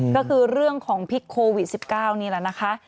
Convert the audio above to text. ก็คือเรื่องของพิษโควิด๑๙นี่แหละนะคะ